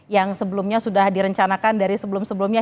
yang sebelumnya sudah direncanakan dari sebelum sebelumnya